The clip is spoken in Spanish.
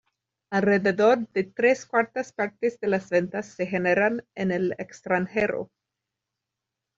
Alrededor de tres cuartas partes de las ventas se generan en el extranjero.